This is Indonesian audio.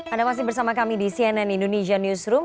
anda masih bersama kami di cnn indonesia newsroom